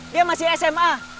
dia masih sma